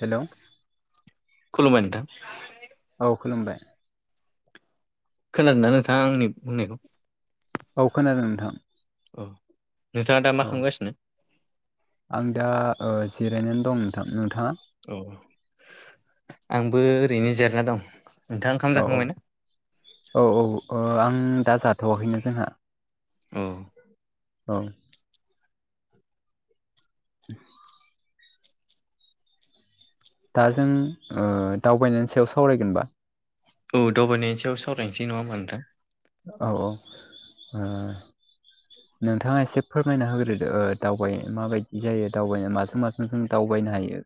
Hello. खलुमबाय नोंथां। औ खुलुमबाय। खोनादोंना नोंथाङा आंनि बुंनायखौ? औ खोनादों नोंथां। अ नोंथाङा दा औ मा खालामगासिनो? आं दा ओ जिरायनानै दं नोंथां। नोंथाङा? औ-औ आंबो ओरैनो जिरना दं। नोंथाङा ओंखाम जाखांबायना औ-औ-औ-औ ओ आं दा जाथ'वाखैनो जोंहा। औ औ। [unintelligible] दा जों ओ दावबायनायनि सायाव सावरायगोनबा। औ दावबायनायनि सायाव सावरायनोसै नङा होमबा नोंथां। औ-औ ओ [unintelligible] नोंथाङा एसे फोरमायना होग्रोदो ओ दावबाय माबायदि जायो दावबायनो माजों माजों जों दावबायनो हायो।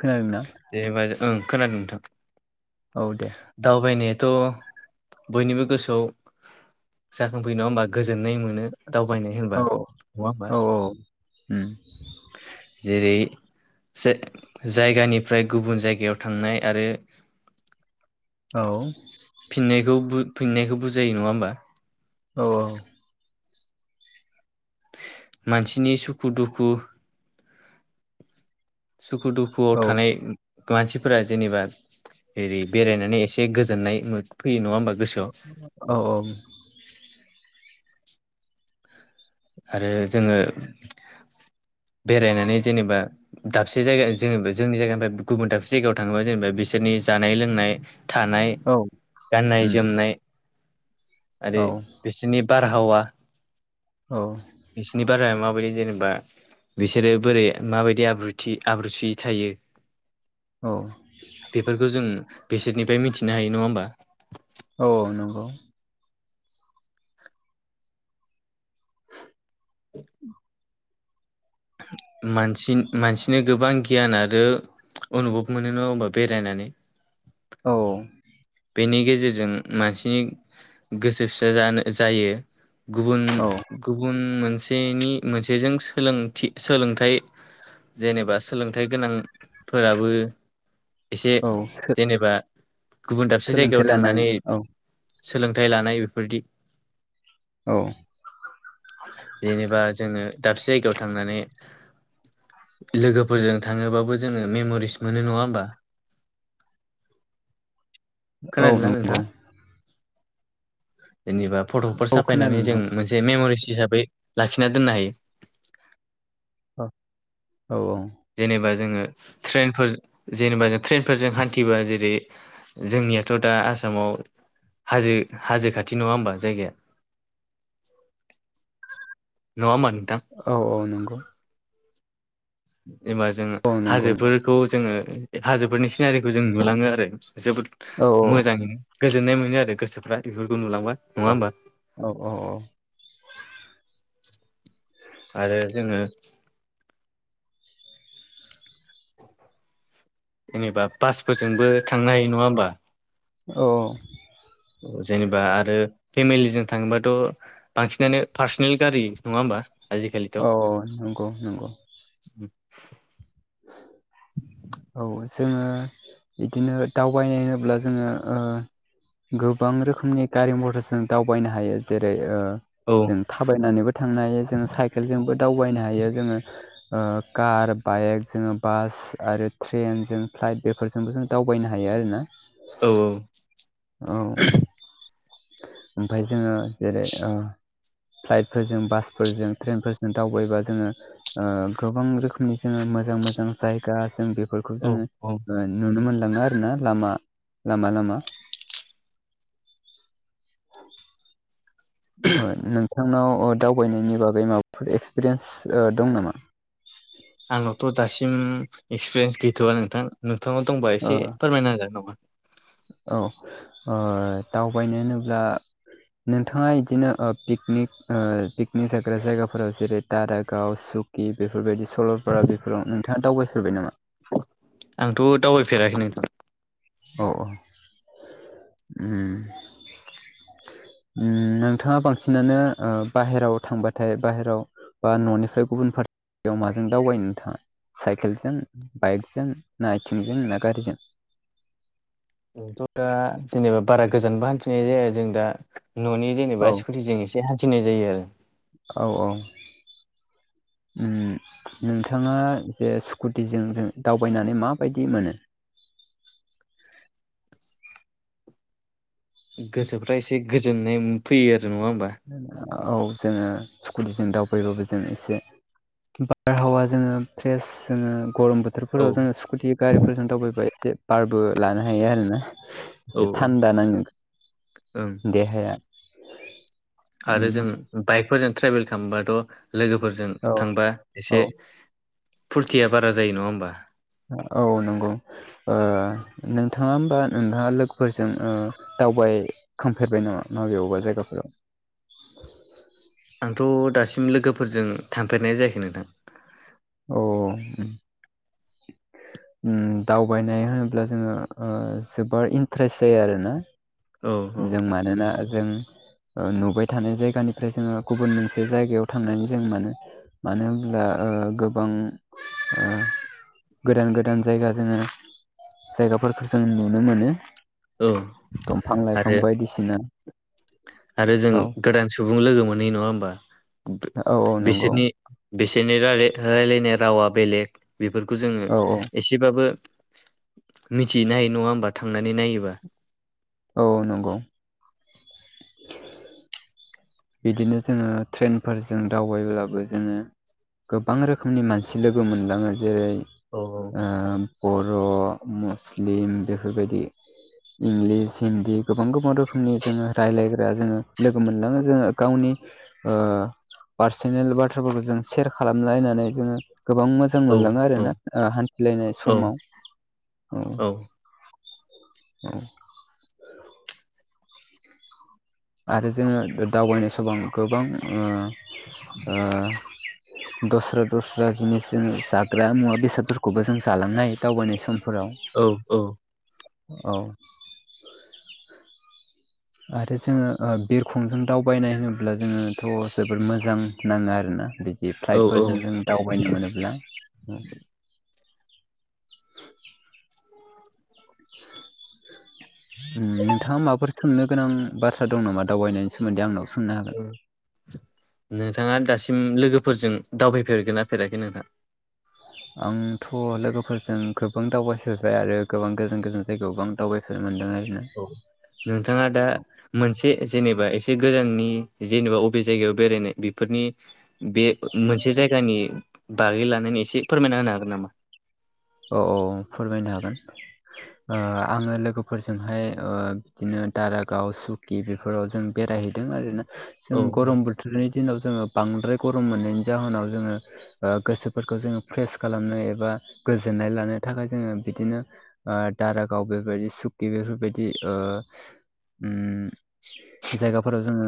खोनादोंना? दे होनोबा ओं खोनादों नोंथां। औ दे। दावबायनायाथ' बयनिबो गोसोआव। जाखांफोयो नङा होमबा गोजोननाय मोनो दावबायनाय होनबा औ नङा होमबा? औ उम। जेरै से जायगानिफ्राय गुबुन जायगायाव थांनाय आरो औ। फिन्नायखौ बु फिन्नायखौ बुजायो नङा होमबा? औ। मानसिनि सुखु- दुखु सुखु दु खुआव औ थानाय। थ मानसिफोरा जेनेबा एरै बेरायनानै एसे गोजोननाय मो फैयो नङा होमबा गोसोआव। औ-औ। आरो जोङो बेरायनानै जेनेबा। दाबसे जायगा जोङो जोंनि जायगानिफ्राय गुबुन दाबसे जायगायाव थाङोबा जेनेबा बिसोरनि जानाय लोंनाय। थानाय औ गाननाय उम जोमनाय औ आरो बेस सोरनि बारहावा। औ। बिसिनि बाराया माबायदि जेनेबा बिसोरो बोरै माबायदि आब्रुथि आब्रुथि थायो। औ बेफोरखौ जों बेसोरनिफ्राय मिथिनो हायो नङा होमबा? औ औ नंगौ। [inaudible] मानसि मानसिनो गोबां गियान आरो अनुभब मोनो नङा होमबा बेरायनानै। औ बेनि गेजेरजों मानसिनि गोसो फिसा जानो जायो गुबुन औ गुबुन मोनसेनि मोनसेजों सोलोंथि सोलोंथाइ जेनेबा सोलोंथाइ गोनांफोराबो एसे औ जेनेबा गुबुन दाबसे जायगायाव सोलोंथाइ लानाय थांनानै औ सोलोंथाइ लानाय बेफोरदि औ जेनेबा जोङो दाबसे जायगायाव थांनानै लोगोफोरजों थाङोबाबो जोङो मेम'रिस मोनो नङा होमबा? औ खोनादोंना नंगौ नोंथाङा? जेनेबा फट'फोर औ खोनादों साफायनानै जों नोंथां मोनसे जे मेम'रिस हिसाबै लाखिना दोननो हायो। औ औ। जेनेबा जोङो ट्रेनफोर जेनेबा जों ट्रेनफोरजों हान्थिबा जेरै जोंनियाथ' दा आसामाव हाजो हाजो खाथि नङा होमबा जायगाया। नङा होमबा नोंथां? औ औ नंगौ। एबा जोङो औ नंगौ नंगौ हाजोफोरखौ जोङो हाजोफोरनि सिनारिखौ जों नुलाङो आरो जोबोद औ मोजाङै गोजोननाय मोनो आरो गोसोफ्रा बेफोरखौ नुलांबा। नङा अ होमबा औ औ औ। आरो जोङो जेनेबा बासफोरजोंबो थांनो हायो नङा होमबा। औ जेनेबा आरो फेमिलिजों थांङोबाथ' बांसिनानो पार्सनेल गारि नङा होमबा? आजिखालिथ' औ नंगौ नंगौ। उम औ जोङो बिदिनो दावबायनाय होनोब्ला जोङो ओ गोबां रोखोमनि गारि मटरजों दावबायनो हायो जेरै ओ औ जों थाबायनानैबो थांनो हायो जों साइ साइखेलजोंबो दावबायनो हायो जोङो ओ कार बाइक जोङो बास आरो ट्रेनजों फ्लाइट बेफोरजोंबो जों दावबायनो हायो आरो ना। औ औ औ ओमफाय जोङो जेरै आ फ्लाइटफोरजों बासफोरजों ट्रेनफोरजों दावबायबा जोङो आ गोबां रोखोमनि जोङो मोजां मोजां जायगा जों बे फोरखौ औ जोङो औ आ नुनो मोनलाङो आरो ना लामा लामा लामा औ ओ नोंथांनाव दावबायनायनि बागै माबाफोर एक्सपिरियेन्स ओ दं नामा? आंनावथ' दासिम एक्सपिरियेन्स गैथ'वा नोंथां नोंथांव दंबा ओ एसे फोरमायना होजागोन नामा। औ ओ दावबायनो होनोब्ला नोंथाङा इदिनो पिकनिक ओ पिकनिक जाग्रा जायगाफोराव जेरै दारागाव सुक कि बेफोरबायदि सल'पारा बेफोराव नोंथाङा दावबायफेरबाय नामा? आंथ' दावबायफेराखै नोंथां। औ औ उम। [inaudible] उम नोंथाङा बांसिनानो आ बाहेराव थांबाथाय बाहेराव बा न'निफ्राय गुबुन फारसेयाव माजों दावबायो नोंथाङा? साइकेलजों बाइकजों ना आइथिंजों ना गारिजों? आंथ' दा जेनेबा बारा गोजानबो हान्थिनाय जाया जों दा न'नि औ जेनेबा स्कुटिजों एसे से हान्थिनाय जायो आरो। औ औ उम। नोंथाङा जे स्कुटिजों जों दावबायनानै माबायदि मोनो? गोसोफ्रा एसे गोजोननाय फैयो आरो नङा होमबा? नोंथां औ जोङो स्कुतिजों दावबायबाबो जों एसे बारहावा जोङो फ्रेस जोङो गरम बोथ औ बोथोरफोराव जोङो स्कुटि गारिफोरजों दावबायबा एसे बारबो लानो हायो आरोना। एसे औ थान्दा नाङो ओं देहाया। आरो उम जों बाइकफोरजों ट्रेभेल खालामबाथ' लोगोफोरजों औ थांबा एसे औ फुरथिया बारा जायो नङा होमबा? औ नंगौ ओ नोंथाङा होमबा नोंथाङा लोगोफोरजों ओ दावबायखांफेरबाय नामा माबेयावबा जायगाफोराव? आंथ' दासिम लोगोफोरजों थांफेरनाय जायाखै नोंथां। औ उम। उम दावबायनाय होनोब्ला जोङो ओ जोबोर इन्ट्रेस्ट जायो आरोना। औ औ जों मानोना जों ओ नुबाय थानाय जायगानिफ्राय जोङो गुबुन मोनसे जायगायाव थांनानै जों मानो मानो होनब्ला ओ गोबां ओ गोदान गोदान जायगा जोङो जायगाफोरखौ जों नुनो मोनो। औ। बिफां लाइफां आरो बायदिसिना आरो जों औ गोदान सुबुं लोगो मोनहैयो नङा होमबा औ औ नंगौ बेसोरनि बिसोरनि राय रायलायनाय रावा बेलेग बेफोरखौ जोङो औ औ एसे एसेबाबो मिथिहैनो हायो नङा होमबा थांनानै नायोबा। औ नंगौ। बिदिनो जोङो ट्रेनफोरजों दावबायब्लाबो जोङो गोबां रोखोमनि मानसि लोगो मोनलाङो जेरै औ औ। ओ बर' मुस्लिम बेफोरबायदि। इंलिस हिन्दि गोबां गोबां रोखोमनि जोङो रायलायग्रा जोङो लोगो मोनलाङो जोङो। गावनि ओ पार्सनेल बाथ्राफोरखौ जों सेयार खालामलायनानै जोङो गोबां मोजां जां औ मोनलाङो औ आरोना ओ हान्थिलायनाय औ समाव औ। औ औ। आरो जोङो दावबायनाय समाव गोबां ओ ओ दस्रा दस्रा जिनिस जोङो जाग्रा मुवा बेसादफोरखौबो जों जालांनो हायो दावबायनाय सम फोराव औ। आरो जोङो ओ बिरखंजों दावबायनाय होनोब्ला जोङोथ' जोबोद मोजां नाङो आरोना बिदि औ औ फ्लाइटफोरजों जों दावबायनो मोनोब्ला। नोंथाङा माफोर सोंनो गोनां बाथ्रा दं नामा दावबायनायनि सोमोन्दै आंनाव सोंनो हागोन। नोंथाङा दासिम लोगोफोरजों दावबायफेरगोन ना फेराखै नोंथां? [inaudible] आंथ' लोगोफोरजों गोबां दावबायफेरबाय आरो गोबां गोजान गोजान जायगायावबो आं दावबायफेरनो मोनदों आरोना। औ नोंथाङा दा मोनसे जेनेबा एसे गोजाननि जेनेबा अबे जायगायाव बेरायनाय बेफोरनि बे मोनसे जायगानि बागै लानानै एसे फोरमायना होनो हागोन नामा? औ-औ फोरमायनो हागोन ‌। ओ आङो लोगोफोरजोंहाय ओ बिदिनो दारागाव सु गि बेफोराव जों बेरायहैदों आरोना जों औ औ गरम बोथ थोरनि दिनाव जोङो बांद्राय गरम मोननायनि जाहोनाव जोङो ओ गोसोफोरखौ जोङो फ्रेस खालामनो एबा गोजोननाय लानो थाखाय जोङो बिदिनो ओ दारागाव बेबायदि सुकि बेफोरबायदि ओ उम जायगाफोराव जोङो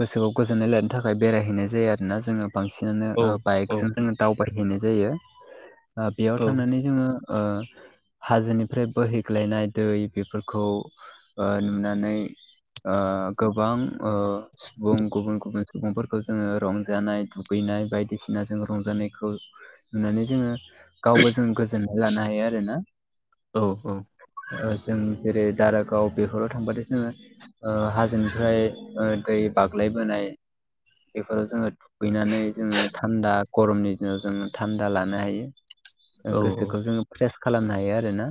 गोसोखौ गोजोननाय लानो थाखाय बेरायहैनाय जायो आरोना जोङो। बांसिनानो औ ओ औ बाइकजों जोङो दावबायहैनाय जायो। ओ बेयाव औ थांनानै जोङो ओ हाजोनिफ्राय बोहैग्लायनाय दै बेफोरखौ ओ नुनानै ओ गोबां ओ सुबुं गुबुन - गुबुन जा सुबुंफोरखो जोङो रंजानाय दुगैनाय बायदिसिना जों रंजानायखौ नुनानै जोङो गावबो जों गोजोननाय लानो हायो आरो ना। औ-औ। ओ जों जेरै दारागाव बेफोराव थांबाथाय जोङो ओ हाजोनिफ्राय ओ दै बाग्लायबोनाय बेफोराव जोङो दुगैनानै जोङो थान्दा गरमनि दिनाव जोङो थान्दा लानो हायो। औ ओं गोसोखौ जोङो फ्रेस खालामनो हायो आरो ना।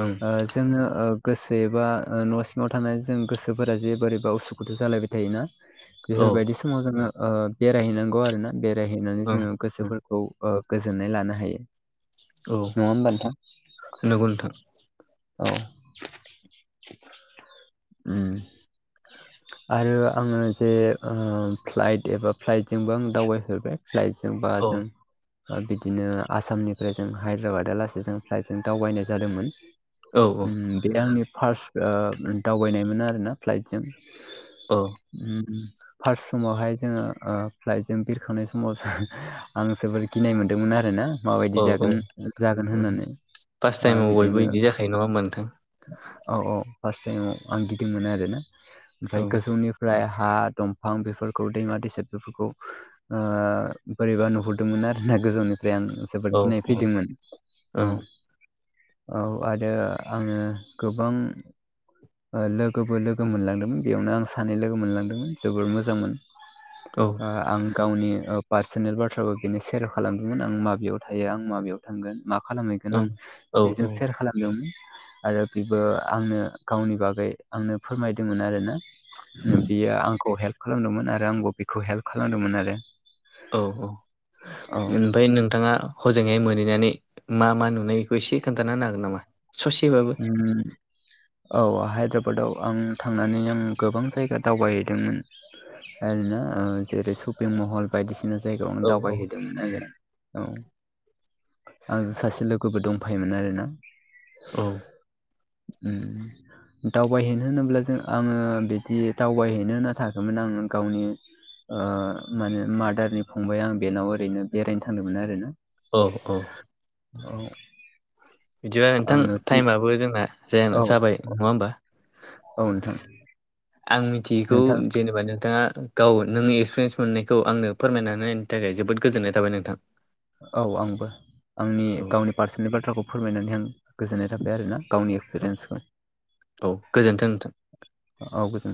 ओं। ओ जोङो ओ गोसो एबा ऐ न' सिङाव थाना जों गोसोफोरा जे बोरैबा उसु [unintelligible] जालायबाय थायोना? ओं बेफोरबायदि समाव जोङो ओ बेरायहैनांगौ आरोना बेरायहैनानै ओं जोङो गोसोफोर खौ ओ गोजोननाय लानो हायो। औ नङा ओमबा नोंथां। नंगौ नोंथां औ ओम। [unintelligible] आरो आङो जे ओ फ्लाइट एबा फ्लाइटजोंबो आं दावबायफेरबाय। फ्लायदजों औ बाजों बिदिनो आसामनिफ्राय जों हायद्राबादालासेै जों फ्लाइटजों दावबायनाय जादोंमोन। औ ओम बे आंनि फार्स्ट ओ दावबायनायमोन आरोना फ्लाइटजों। ओ। ओम। फार्स्ट समावहाय जोङो ओ फ्लाइटजों बिरखांनाय समाव आं जोबोर गिनाय मोनदोंमोन आरो ना। औ माबायदि औ जागोन-जागोन होननानै ओ बिदिनो। [unintelligible] न'आ मोन्थों। औ-औ फार्स्ट टाइमाव आं गिदिंमोन आरोना औ ओमफाय गोजौनि फ्राय हा दंफां बेफोरखौ दैमा दैसा बेफोरखौ ओ बोरैबा नुहुरदोंमोन आरो ना गोजौनिफ्राय आं। जोबोद औ गिनाय औ फैदोंमोन ओं औ-औ आरो आङो गोबां ओ लोगोबो लोगो मोनलांदोंमोन बेयावनो आं सानै लोगो मोनलांदोंमोन जोबोर मोजांमोन। औ। आं आं गावनि पार्सनेल बाथ्राबो बेनो सेयार खालामदोंमोन आं माबेयाव थायो आं माबेयाव थांगोन। मा खालामहैगोन आं औ बेजों सेयार खालामदोंमोन। आरो बेबो आंनो गावनि बागै आंनो फोरमायदोंमोन आरोना। बियो आंखौ हेल्प खालामदोंमोन आरो आंबो बेखौ हेल्प खालामदोंमोन आरो। औ-औ औ ओमफाय नोंथाङा हजोंहाय मोनहैनानै मा मा नुनाय बेखौ एसे खोन्थाना होनो हागोन नामा ससेबाबो। उम औ हायद्राबादाव आं थांनानै आं गोबां जायगा दावबायहैदोंमोन। ओरैनो ओ जेरै शपिं महल बायदिसिना जायगायाव आं औ औ दावबायहैदों। आरो औ आं सासे लोगोबो दंफायोमोन आरोना। औ। उ दावबायहैनो होनोब्ला जों आङो बिदि दावबायहैनो होनना थाङाखैमोन आङो गावनि ओ माने मादारनि फंबाय आं बेनाव ओरैनो बेरायनो थांदोंमोन आरो। ओ औ। औ। बिदिबा नोंथां आङो टाइमाबो जोंना जाया औ जाबाय नङा होमबा। औ नोंथां। आं मिथियैखौ नोंथां जेनेबा नोंथाङा गाव नों एक्सपिरियेन्स मोननायखौ आंनो फोरमायनानै [unintelligible] थाखाय जोबोद गोजोननाय थाबाय नोंथां। औ आंबो आंनि औ गावनि पार्सनेल बाथ्राखौ फोरमायनानै आं गोजोननाय थाबाय आरोना गावनि औ एक्सपिरियेन्सखौ। औ गोजोन्थों नोंथां। औ गोे